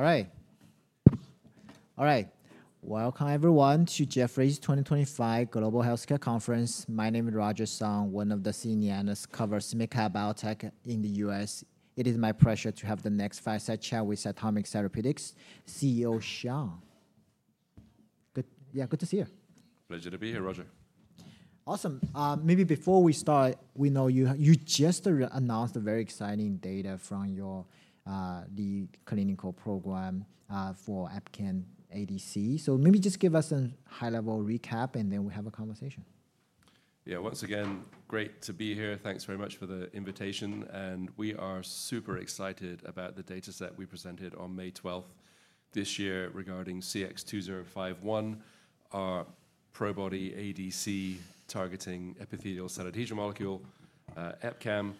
All right. All right. Welcome, everyone, to Jefferies 2025 Global Healthcare Conference. My name is Roger Song, one of the senior analysts covering Simcha Biotech in the U.S. It is my pleasure to have the next fireside chat with CytomX Therapeutics CEO, Sean. Good. Yeah, good to see you. Pleasure to be here, Roger. Awesome. Maybe before we start, we know you just announced very exciting data from your lead clinical program for EpCAM ADC. Maybe just give us a high-level recap, and then we'll have a conversation. Yeah, once again, great to be here. Thanks very much for the invitation. We are super excited about the data set we presented on May 12th this year regarding CX-2051, our Probody ADC targeting epithelial cell adhesion molecule, EpCAM.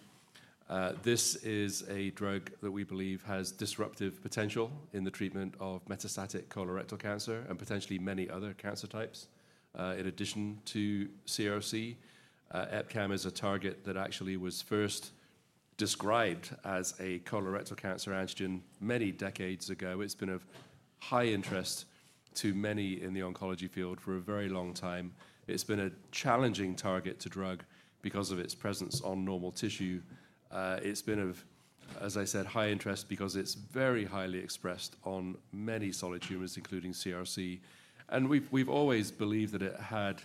This is a drug that we believe has disruptive potential in the treatment of metastatic colorectal cancer and potentially many other cancer types. In addition to CRC, EpCAM is a target that actually was first described as a colorectal cancer antigen many decades ago. It's been of high interest to many in the oncology field for a very long time. It's been a challenging target to drug because of its presence on normal tissue. It's been, as I said, of high interest because it's very highly expressed on many solid tumors, including CRC. We have always believed that it had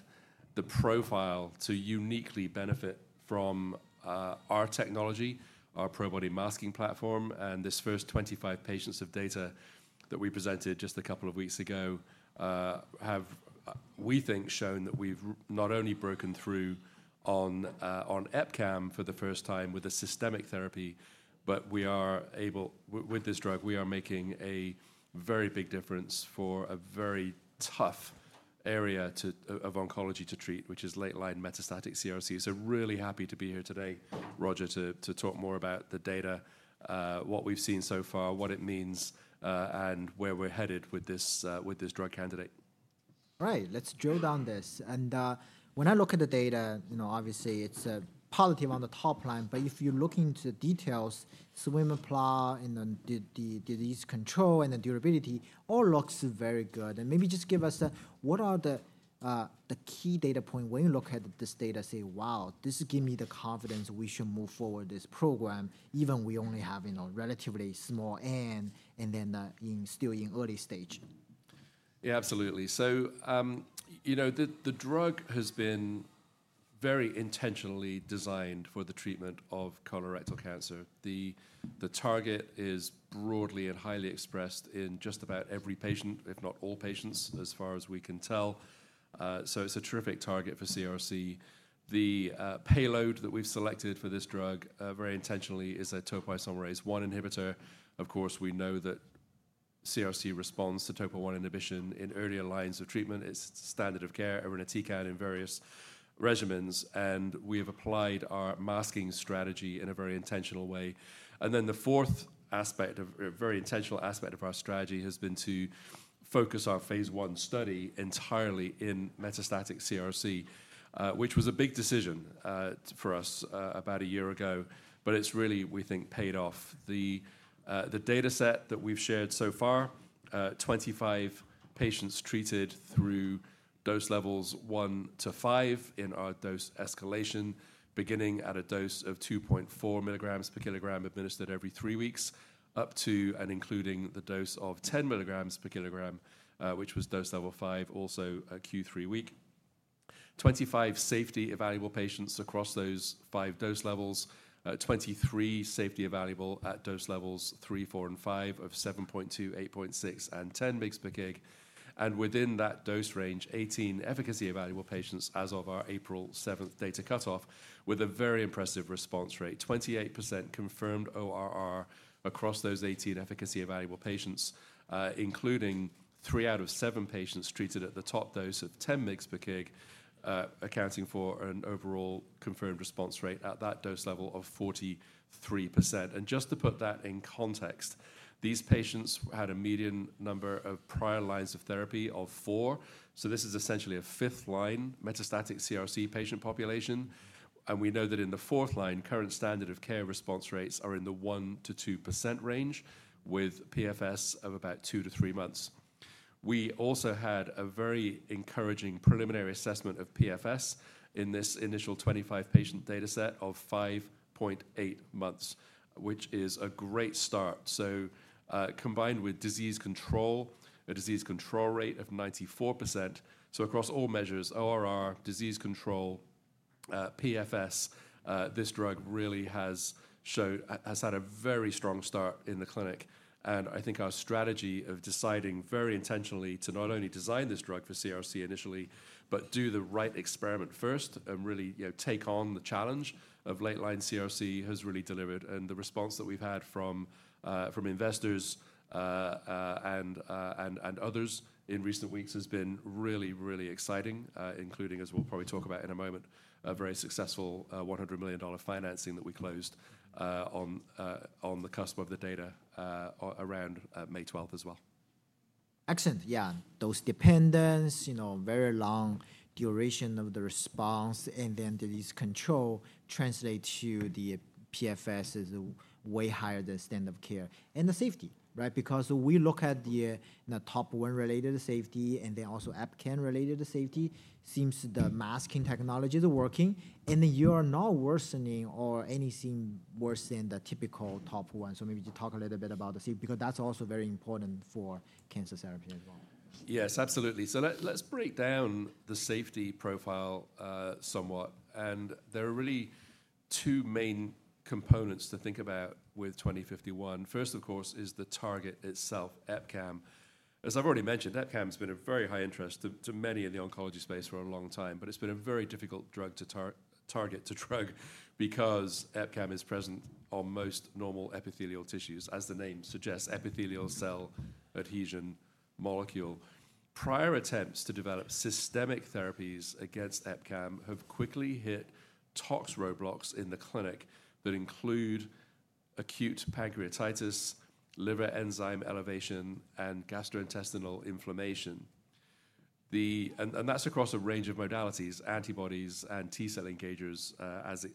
the profile to uniquely benefit from our technology, our Probody masking platform. This first 25 patients of data that we presented just a couple of weeks ago have, we think, shown that we have not only broken through on EpCAM for the first time with a systemic therapy, but we are able, with this drug, we are making a very big difference for a very tough area of oncology to treat, which is late-line metastatic CRC. Really happy to be here today, Roger, to talk more about the data, what we have seen so far, what it means, and where we are headed with this drug candidate. All right, let's drill down this. When I look at the data, obviously, it's positive on the top line. If you look into the details, swimming plot, and then the disease control and the durability, all looks very good. Maybe just give us what are the key data points when you look at this data, say, wow, this gives me the confidence we should move forward this program, even we only have relatively small n and then still in early stage. Yeah, absolutely. The drug has been very intentionally designed for the treatment of colorectal cancer. The target is broadly and highly expressed in just about every patient, if not all patients, as far as we can tell. It is a terrific target for CRC. The payload that we have selected for this drug very intentionally is a topoisomerase I inhibitor. Of course, we know that CRC responds to topo I inhibition in earlier lines of treatment. It is standard of care, irinotecan, in various regimens. We have applied our masking strategy in a very intentional way. The fourth aspect, a very intentional aspect of our strategy, has been to focus our phase I study entirely in metastatic CRC, which was a big decision for us about a year ago. It is really, we think, paid off. The data set that we've shared so far, 25 patients treated through dose levels one to five in our dose escalation, beginning at a dose of 2.4 mg per kg administered every three weeks, up to and including the dose of 10 mg per kg, which was dose level five, also a Q3 week. 25 safety evaluable patients across those five dose levels, 23 safety evaluable at dose levels three, four, and five of 7.2 mg, 8.6 mg, and 10 mg per kg. And within that dose range, 18 efficacy evaluable patients as of our April 7th data cutoff, with a very impressive response rate, 28% confirmed ORR across those 18 efficacy evaluable patients, including three out of seven patients treated at the top dose of 10 mg per kg, accounting for an overall confirmed response rate at that dose level of 43%. Just to put that in context, these patients had a median number of prior lines of therapy of four. This is essentially a fifth line metastatic CRC patient population. We know that in the fourth line, current standard of care response rates are in the 1%-2% range, with PFS of about 2 months-3 months. We also had a very encouraging preliminary assessment of PFS in this initial 25 patient data set of 5.8 months, which is a great start. Combined with disease control, a disease control rate of 94%. Across all measures, ORR, disease control, PFS, this drug really has had a very strong start in the clinic. I think our strategy of deciding very intentionally to not only design this drug for CRC initially, but do the right experiment first and really take on the challenge of late-line CRC has really delivered. The response that we've had from investors and others in recent weeks has been really, really exciting, including, as we'll probably talk about in a moment, a very successful $100 million financing that we closed on the cusp of the data around May 12th as well. Excellent. Yeah, those dependence, very long duration of the response, and then the disease control translates to the PFS is way higher than standard of care. The safety, right? Because we look at the top one related to safety and then also EpCAM related to safety, seems the masking technology is working. You are not worsening or anything worse than the typical top one. Maybe you talk a little bit about the safety, because that's also very important for cancer therapy as well. Yes, absolutely. Let's break down the safety profile somewhat. There are really two main components to think about with 2051. First, of course, is the target itself, EpCAM. As I've already mentioned, EpCAM has been of very high interest to many in the oncology space for a long time, but it's been a very difficult target to drug because EpCAM is present on most normal epithelial tissues, as the name suggests, epithelial cell adhesion molecule. Prior attempts to develop systemic therapies against EpCAM have quickly hit tox roadblocks in the clinic that include acute pancreatitis, liver enzyme elevation, and gastrointestinal inflammation. That's across a range of modalities, antibodies and T cell engagers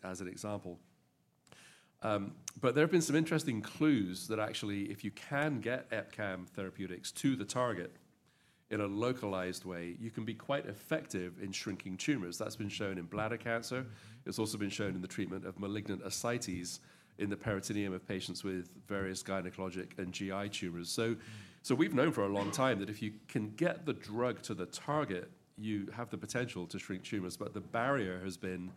as an example. There have been some interesting clues that actually, if you can get EpCAM therapeutics to the target in a localized way, you can be quite effective in shrinking tumors. That's been shown in bladder cancer. It's also been shown in the treatment of malignant ascites in the peritoneum of patients with various gynecologic and GI tumors. We've known for a long time that if you can get the drug to the target, you have the potential to shrink tumors. The barrier has been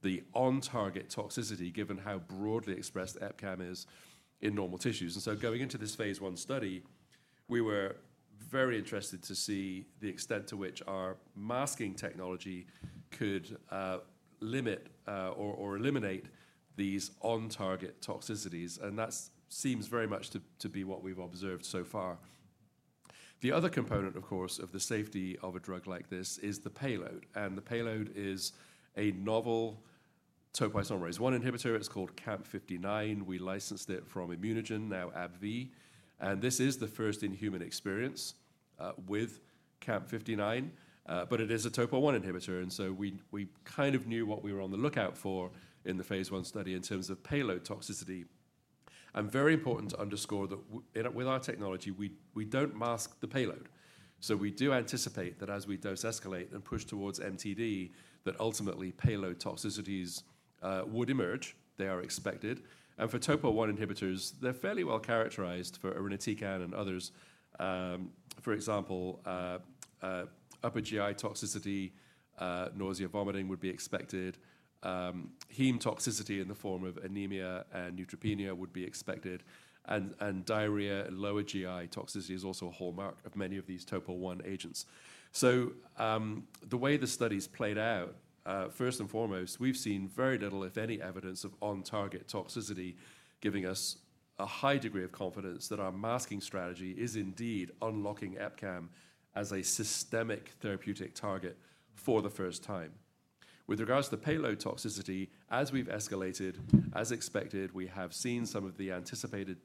the on-target toxicity, given how broadly expressed EpCAM is in normal tissues. Going into this phase I study, we were very interested to see the extent to which our masking technology could limit or eliminate these on-target toxicities. That seems very much to be what we've observed so far. The other component, of course, of the safety of a drug like this is the payload. The payload is a novel topoisomerase I inhibitor. It's called CAMP59. We licensed it from ImmunoGen, now AbbVie. This is the first in human experience with CAMP59. It is a topo I inhibitor. We kind of knew what we were on the lookout for in the phase I study in terms of payload toxicity. It is very important to underscore that with our technology, we do not mask the payload. We do anticipate that as we dose escalate and push towards MTD, ultimately payload toxicities would emerge. They are expected. For topo I inhibitors, they are fairly well characterized for irinotecan and others. For example, upper GI toxicity, nausea, vomiting would be expected. Heme toxicity in the form of anemia and neutropenia would be expected. Diarrhea and lower GI toxicity is also a hallmark of many of these topo I agents. The way the study's played out, first and foremost, we've seen very little, if any, evidence of on-target toxicity, giving us a high degree of confidence that our masking strategy is indeed unlocking EpCAM as a systemic therapeutic target for the first time. With regards to the payload toxicity, as we've escalated, as expected, we have seen some of the anticipated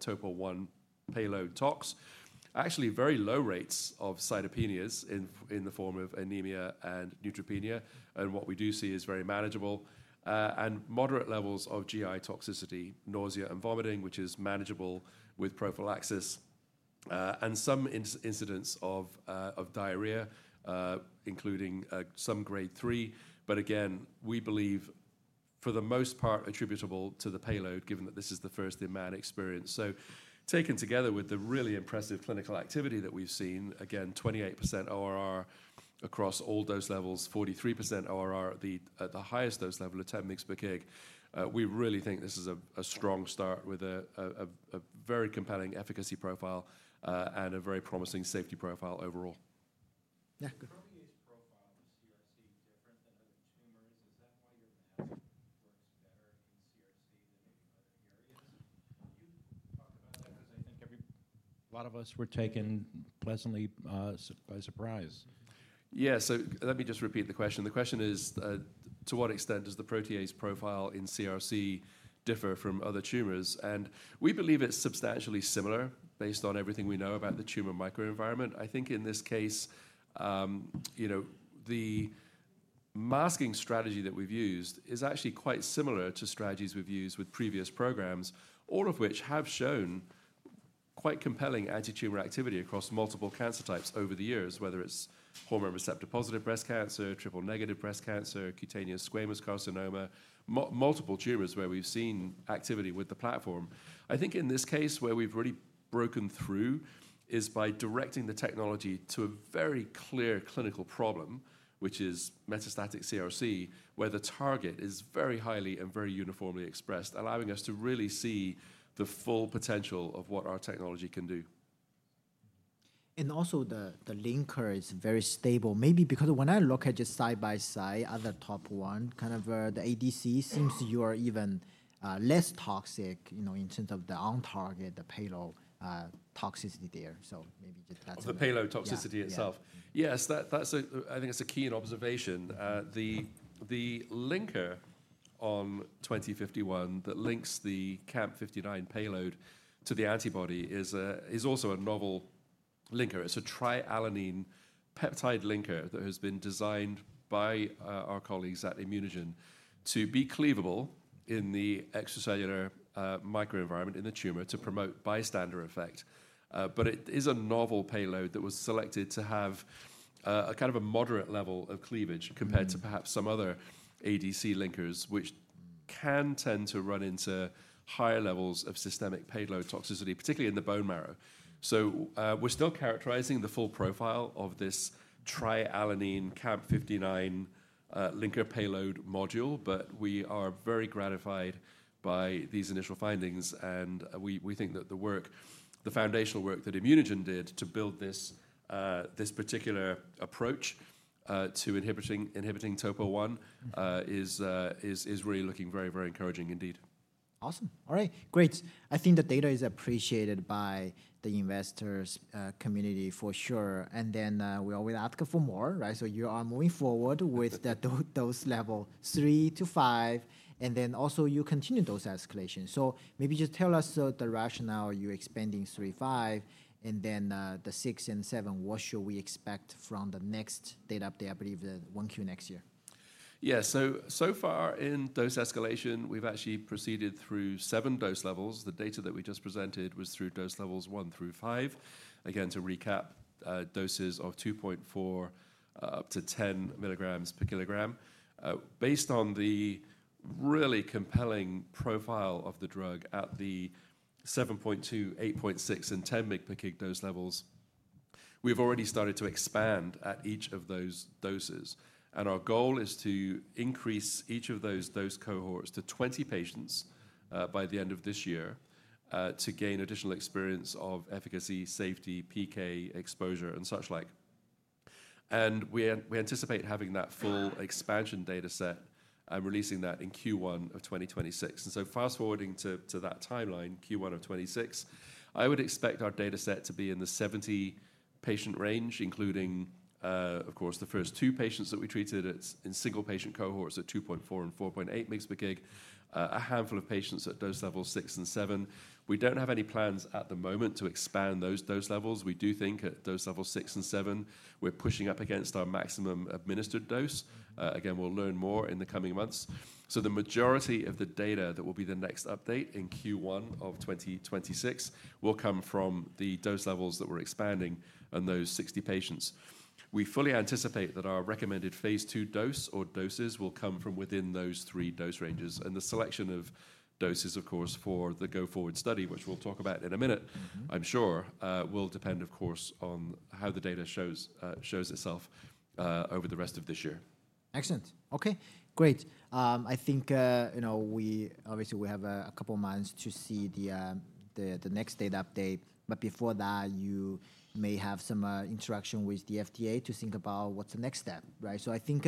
topo I payload tox, actually very low rates of cytopenias in the form of anemia and neutropenia. What we do see is very manageable. Moderate levels of GI toxicity, nausea and vomiting, which is manageable with prophylaxis. Some incidents of diarrhea, including some grade three. Again, we believe, for the most part, attributable to the payload, given that this is the first in man experience. Taken together with the really impressive clinical activity that we've seen, again, 28% ORR across all dose levels, 43% ORR at the highest dose level of 10 mg per kg, we really think this is a strong start with a very compelling efficacy profile and a very promising safety profile overall. Yeah, good. a lot of us were taken pleasantly by surprise. Yeah, so let me just repeat the question. The question is, to what extent does the protease profile in CRC differ from other tumors? We believe it's substantially similar based on everything we know about the tumor microenvironment. I think in this case, the masking strategy that we've used is actually quite similar to strategies we've used with previous programs, all of which have shown quite compelling anti-tumor activity across multiple cancer types over the years, whether it's hormone receptor positive breast cancer, triple negative breast cancer, cutaneous squamous carcinoma, multiple tumors where we've seen activity with the platform. I think in this case, where we've really broken through is by directing the technology to a very clear clinical problem, which is metastatic CRC, where the target is very highly and very uniformly expressed, allowing us to really see the full potential of what our technology can do. Also, the linker is very stable. Maybe because when I look at just side by side, other top one, kind of the ADC, seems you are even less toxic in terms of the on-target, the payload toxicity there. Maybe just that's it. The payload toxicity itself. Yes, I think that's a key observation. The linker on 2051 that links the CAMP59 payload to the antibody is also a novel linker. It's a tri-alanine peptide linker that has been designed by our colleagues at ImmunoGen to be cleavable in the extracellular microenvironment in the tumor to promote bystander effect. It is a novel payload that was selected to have a kind of a moderate level of cleavage compared to perhaps some other ADC linkers, which can tend to run into higher levels of systemic payload toxicity, particularly in the bone marrow. We're still characterizing the full profile of this tri-alanine CAMP59 linker payload module, but we are very gratified by these initial findings. We think that the work, the foundational work that ImmunoGen did to build this particular approach to inhibiting topo I is really looking very, very encouraging indeed. Awesome. All right, great. I think the data is appreciated by the investors' community for sure. And then we always ask for more, right? You are moving forward with the dose level three to five, and then also you continue dose escalation. Maybe just tell us the rationale you're expanding three, five, and then the six and seven, what should we expect from the next data update, I believe the 1Q next year? Yeah, so far in dose escalation, we've actually proceeded through seven dose levels. The data that we just presented was through dose levels one through five. Again, to recap, doses of 2.4 mg up to 10 milligrams per kilogram. Based on the really compelling profile of the drug at the 7.2 mg, 8.6 mg, and 10 mg per kg dose levels, we've already started to expand at each of those doses. Our goal is to increase each of those dose cohorts to 20 patients by the end of this year to gain additional experience of efficacy, safety, PK, exposure, and such like. We anticipate having that full expansion data set and releasing that in Q1 of 2026. Fast forwarding to that timeline, Q1 of 2026, I would expect our data set to be in the 70 patient range, including, of course, the first two patients that we treated in single patient cohorts at 2.4 mg and 4.8 mg per kg, a handful of patients at dose level six and seven. We do not have any plans at the moment to expand those dose levels. We do think at dose level six and seven, we are pushing up against our maximum administered dose. Again, we will learn more in the coming months. The majority of the data that will be the next update in Q1 of 2026 will come from the dose levels that we are expanding on those 60 patients. We fully anticipate that our recommended phase II dose or doses will come from within those three dose ranges. The selection of doses, of course, for the go forward study, which we'll talk about in a minute, I'm sure, will depend, of course, on how the data shows itself over the rest of this year. Excellent. Okay, great. I think we obviously have a couple of months to see the next data update. Before that, you may have some interaction with the FDA to think about what's the next step, right? I think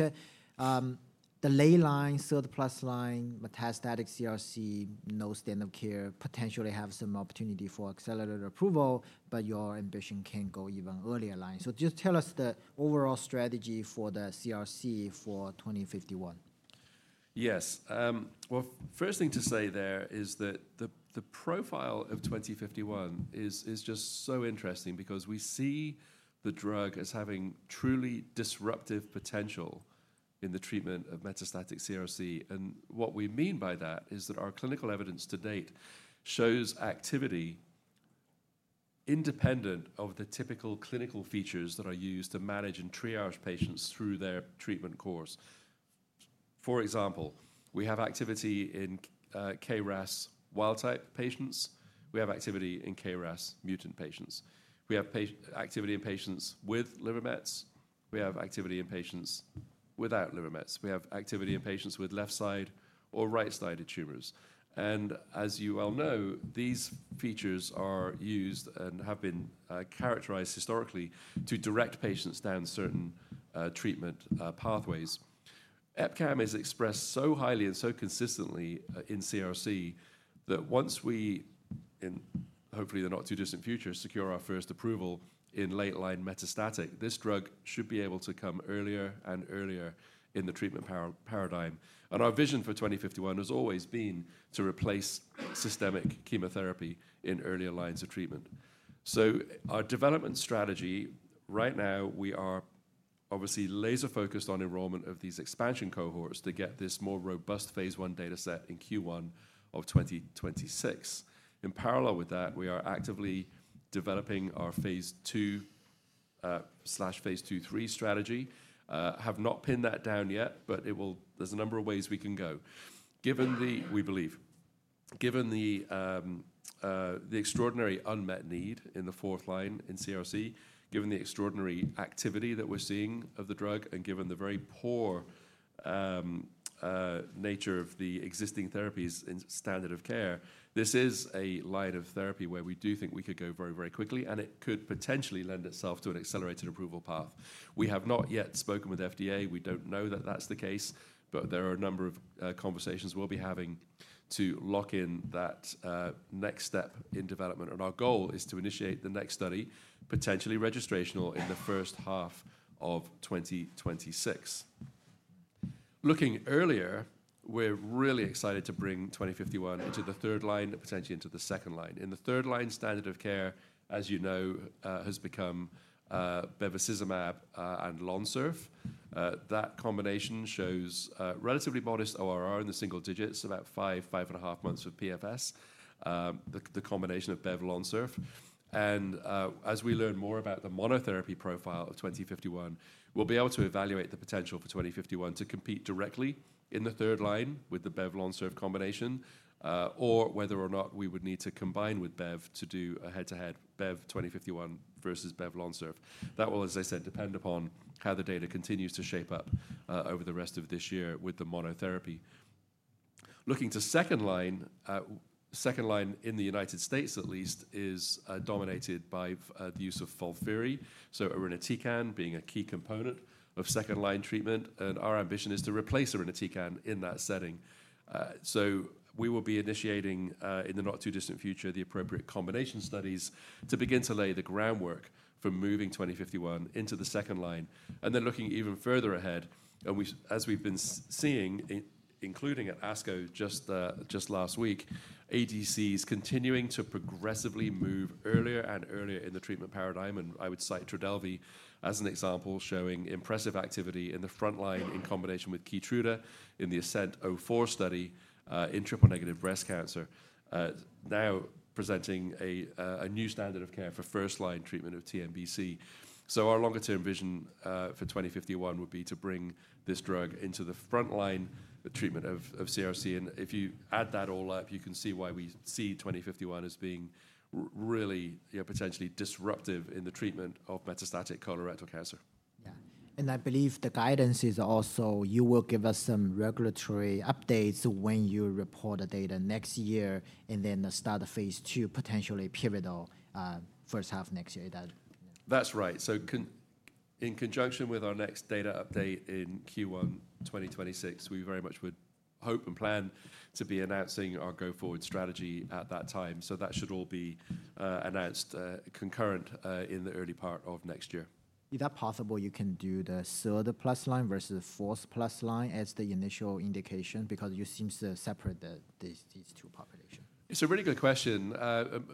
the lay line, third plus line, metastatic CRC, no standard of care, potentially have some opportunity for accelerated approval, but your ambition can go even earlier line. Just tell us the overall strategy for the CRC for 2051. Yes. The first thing to say there is that the profile of 2051 is just so interesting because we see the drug as having truly disruptive potential in the treatment of metastatic CRC. What we mean by that is that our clinical evidence to date shows activity independent of the typical clinical features that are used to manage and triage patients through their treatment course. For example, we have activity in KRAS wild type patients. We have activity in KRAS mutant patients. We have activity in patients with liver mets. We have activity in patients without liver mets. We have activity in patients with left side or right sided tumors. As you all know, these features are used and have been characterized historically to direct patients down certain treatment pathways. EpCAM is expressed so highly and so consistently in CRC that once we, and hopefully in the not too distant future, secure our first approval in late line metastatic, this drug should be able to come earlier and earlier in the treatment paradigm. Our vision for 2051 has always been to replace systemic chemotherapy in earlier lines of treatment. Our development strategy right now, we are obviously laser focused on enrollment of these expansion cohorts to get this more robust phase I data set in Q1 of 2026. In parallel with that, we are actively developing our phase II slash phase II-III strategy. Have not pinned that down yet, but there's a number of ways we can go. Given the, we believe, given the extraordinary unmet need in the fourth line in CRC, given the extraordinary activity that we're seeing of the drug, and given the very poor nature of the existing therapies in standard of care, this is a line of therapy where we do think we could go very, very quickly, and it could potentially lend itself to an accelerated approval path. We have not yet spoken with FDA. We don't know that that's the case, but there are a number of conversations we'll be having to lock in that next step in development. Our goal is to initiate the next study, potentially registrational in the first half of 2026. Looking earlier, we're really excited to bring 2051 into the third line, potentially into the second line. In the third line, standard of care, as you know, has become bevacizumab and LONSURF. That combination shows relatively modest ORR in the single digits, about five, five and a half months of PFS, the combination of Bev-LONSURF. As we learn more about the monotherapy profile of 2051, we'll be able to evaluate the potential for 2051 to compete directly in the third line with the Bev-LONSURF combination, or whether or not we would need to combine with Bev to do a head to head Bev-2051 versus Bev-LONSURF. That will, as I said, depend upon how the data continues to shape up over the rest of this year with the monotherapy. Looking to second line, second line in the United States at least is dominated by the use of FOLFIRI. Irinotecan being a key component of second line treatment. Our ambition is to replace irinotecan in that setting. We will be initiating in the not too distant future the appropriate combination studies to begin to lay the groundwork for moving 2051 into the second line. Looking even further ahead, as we've been seeing, including at ASCO just last week, ADCs continue to progressively move earlier and earlier in the treatment paradigm. I would cite TRODELVY as an example showing impressive activity in the front line in combination with KEYTRUDA in the ASCENT-04 study in triple negative breast cancer, now presenting a new standard of care for first line treatment of TMBC. Our longer term vision for 2051 would be to bring this drug into the front line of treatment of CRC. If you add that all up, you can see why we see 2051 as being really potentially disruptive in the treatment of metastatic colorectal cancer. Yeah. I believe the guidance is also you will give us some regulatory updates when you report the data next year and then start the phase II potentially pivotal first half next year. That's right. In conjunction with our next data update in Q1 2026, we very much would hope and plan to be announcing our go forward strategy at that time. That should all be announced concurrent in the early part of next year. Is that possible? You can do the third plus line versus the fourth plus line as the initial indication because you seem to separate these two populations. It's a really good question.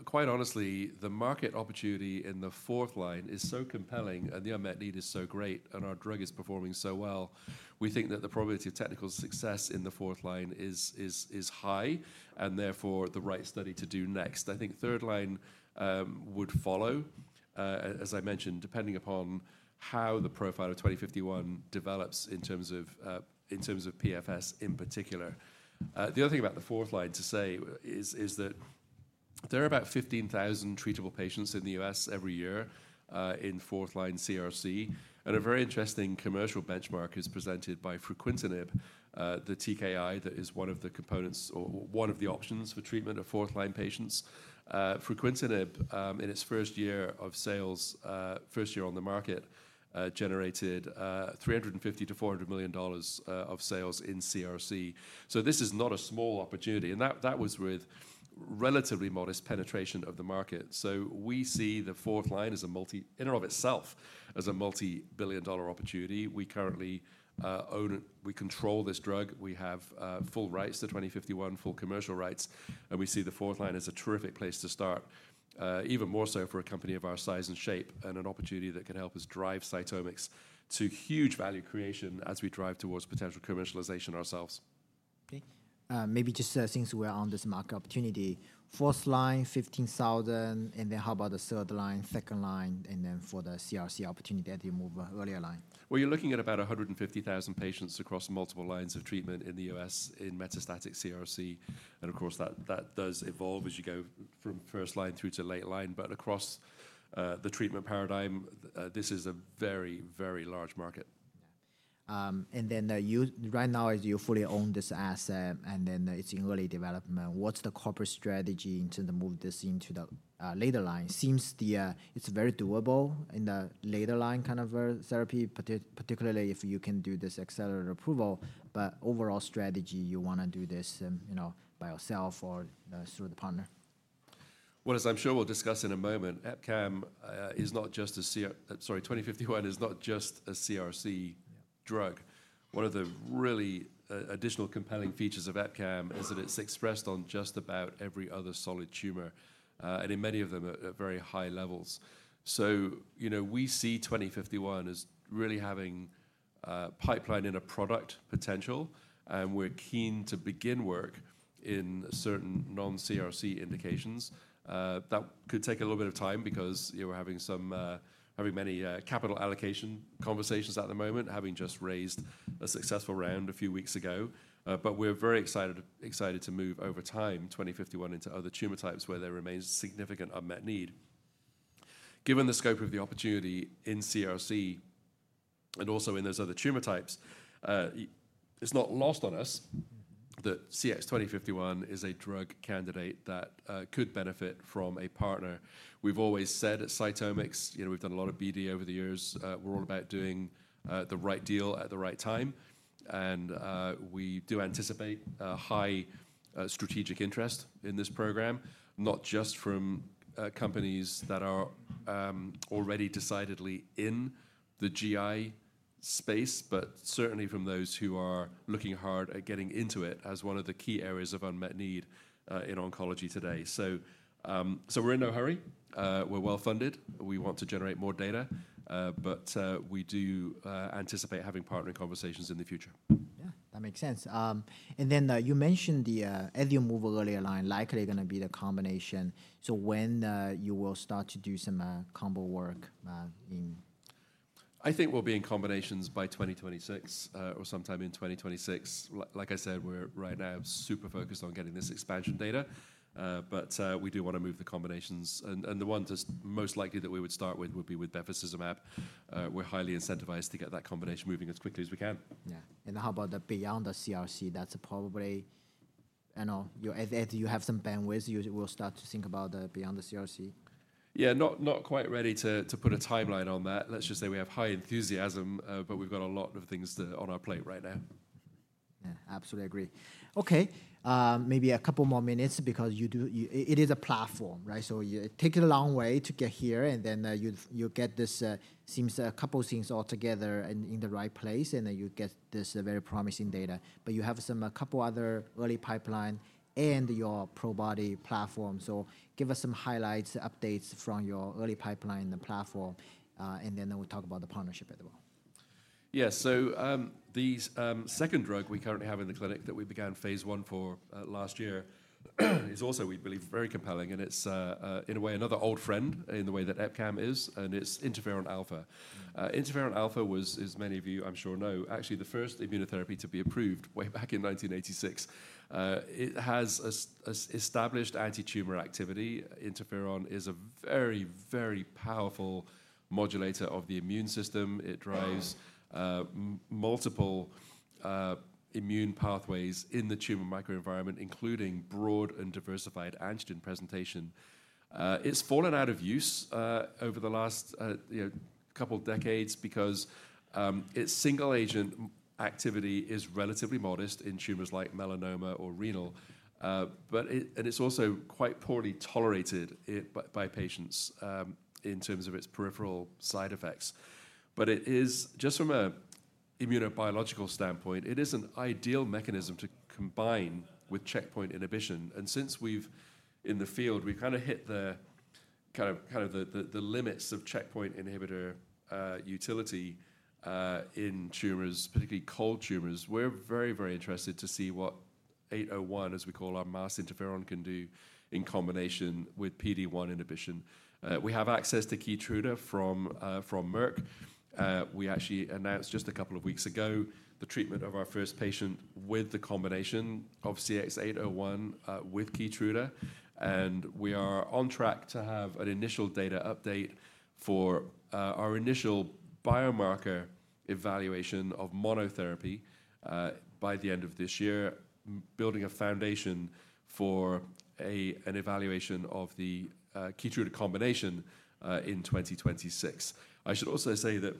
Quite honestly, the market opportunity in the fourth line is so compelling and the unmet need is so great and our drug is performing so well. We think that the probability of technical success in the fourth line is high and therefore the right study to do next. I think third line would follow, as I mentioned, depending upon how the profile of 2051 develops in terms of PFS in particular. The other thing about the fourth line to say is that there are about 15,000 treatable patients in the U.S. every year in fourth line CRC. A very interesting commercial benchmark is presented by fruquintinib, the TKI that is one of the components or one of the options for treatment of fourth line patients. Fruquintinib, in its first year of sales, first year on the market, generated $350 million-$400 million of sales in CRC. This is not a small opportunity. That was with relatively modest penetration of the market. We see the fourth line as a multi, in and of itself, as a multi billion dollar opportunity. We currently own, we control this drug. We have full rights to 2051, full commercial rights. We see the fourth line as a terrific place to start, even more so for a company of our size and shape and an opportunity that can help us drive CytomX to huge value creation as we drive towards potential commercialization ourselves. Okay. Maybe just since we're on this market opportunity. Fourth line, 15,000, and then how about the third line, second line, and then for the CRC opportunity that you move earlier line? You're looking at about 150,000 patients across multiple lines of treatment in the U.S. in metastatic CRC. Of course, that does evolve as you go from first line through to late line. Across the treatment paradigm, this is a very, very large market. Right now, as you fully own this asset and then it's in early development, what's the corporate strategy to move this into the later line? Seems it's very doable in the later line kind of therapy, particularly if you can do this accelerated approval. Overall strategy, you want to do this by yourself or through the partner? As I'm sure we'll discuss in a moment, EpCAM is not just a, sorry, 2051 is not just a CRC drug. One of the really additional compelling features of EpCAM is that it's expressed on just about every other solid tumor, and in many of them, at very high levels. We see 2051 as really having pipeline in a product potential, and we're keen to begin work in certain non-CRC indications. That could take a little bit of time because we're having many capital allocation conversations at the moment, having just raised a successful round a few weeks ago. We're very excited to move over time 2051 into other tumor types where there remains significant unmet need. Given the scope of the opportunity in CRC and also in those other tumor types, it's not lost on us that CX-2051 is a drug candidate that could benefit from a partner. We've always said at CytomX, we've done a lot of BD over the years. We're all about doing the right deal at the right time. We do anticipate high strategic interest in this program, not just from companies that are already decidedly in the GI space, but certainly from those who are looking hard at getting into it as one of the key areas of unmet need in oncology today. We're in no hurry. We're well funded. We want to generate more data. We do anticipate having partnering conversations in the future. Yeah, that makes sense. You mentioned the Adium move earlier line, likely going to be the combination. When will you start to do some combo work in? I think we'll be in combinations by 2026 or sometime in 2026. Like I said, we're right now super focused on getting this expansion data. We do want to move the combinations. The one just most likely that we would start with would be with bevacizumab. We're highly incentivized to get that combination moving as quickly as we can. Yeah. And how about beyond the CRC? That's probably, you know, you have some bandwidth, you will start to think about beyond the CRC? Yeah, not quite ready to put a timeline on that. Let's just say we have high enthusiasm, but we've got a lot of things on our plate right now. Yeah, absolutely agree. Okay, maybe a couple more minutes because it is a platform, right? It takes a long way to get here and then you get this, seems a couple of things all together in the right place and then you get this very promising data. You have some couple other early pipeline and your Probody platform. Give us some highlights, updates from your early pipeline and the platform. Then we'll talk about the partnership as well. Yeah, so the second drug we currently have in the clinic that we began phase I for last year is also, we believe, very compelling. It is in a way another old friend in the way that EpCAM is, and it is interferon alpha. Interferon alpha was, as many of you I'm sure know, actually the first immunotherapy to be approved way back in 1986. It has established anti-tumor activity. Interferon is a very, very powerful modulator of the immune system. It drives multiple immune pathways in the tumor microenvironment, including broad and diversified antigen presentation. It has fallen out of use over the last couple of decades because its single agent activity is relatively modest in tumors like melanoma or renal. It is also quite poorly tolerated by patients in terms of its peripheral side effects. It is, just from an immunobiological standpoint, it is an ideal mechanism to combine with checkpoint inhibition. Since we've in the field, we've kind of hit the kind of the limits of checkpoint inhibitor utility in tumors, particularly cold tumors, we're very, very interested to see what 801, as we call our masked interferon, can do in combination with PD-1 inhibition. We have access to KEYTRUDA from Merck. We actually announced just a couple of weeks ago the treatment of our first patient with the combination of CX-801 with KEYTRUDA. We are on track to have an initial data update for our initial biomarker evaluation of monotherapy by the end of this year, building a foundation for an evaluation of the KEYTRUDA combination in 2026. I should also say that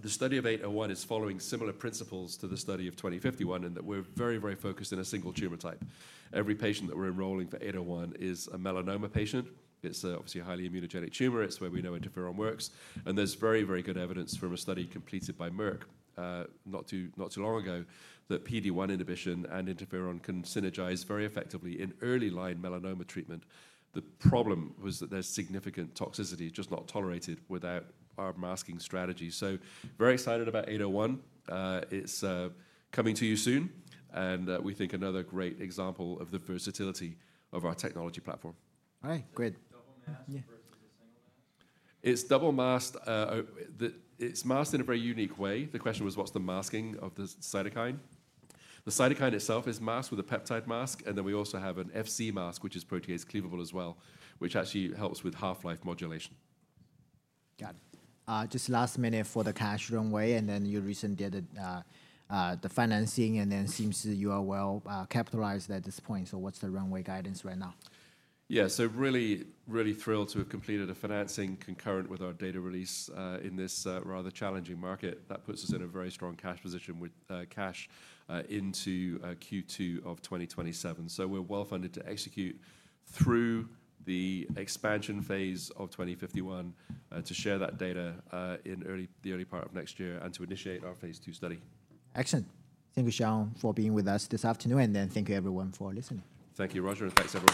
the study of 801 is following similar principles to the study of 2051 and that we're very, very focused in a single tumor type. Every patient that we're enrolling for 801 is a melanoma patient. It's obviously a highly immunogenic tumor. It's where we know interferon works. And there's very, very good evidence from a study completed by Merck not too long ago that PD-1 inhibition and interferon can synergize very effectively in early line melanoma treatment. The problem was that there's significant toxicity just not tolerated without our masking strategy. So very excited about 801. It's coming to you soon. And we think another great example of the versatility of our technology platform. All right, great. It's double masked. It's masked in a very unique way. The question was, what's the masking of the cytokine? The cytokine itself is masked with a peptide mask. And then we also have an FC mask, which is protease cleavable as well, which actually helps with half-life modulation. Got it. Just last minute for the cash runway. And then you recently did the financing and then seems you are well capitalized at this point. What's the runway guidance right now? Yeah, so really, really thrilled to have completed a financing concurrent with our data release in this rather challenging market. That puts us in a very strong cash position with cash into Q2 of 2027. We are well funded to execute through the expansion phase of 2051 to share that data in the early part of next year and to initiate our phase II study. Excellent. Thank you, Sean, for being with us this afternoon. Thank you, everyone, for listening. Thank you, Roger. Thanks so much.